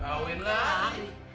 hah kawin lari